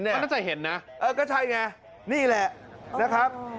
มันน่าจะเห็นนะเออก็ใช่ไงนี่แหละนะครับ